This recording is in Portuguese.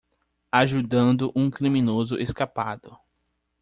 Ajudando um criminoso escapado.